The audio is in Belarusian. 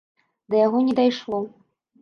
Да яго не дайшло.